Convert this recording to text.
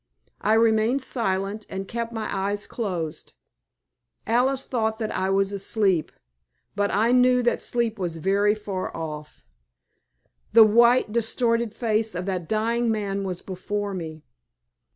I remained silent and kept my eyes closed. Alice thought that I was asleep, but I knew that sleep was very far off. The white, distorted face of that dying man was before me.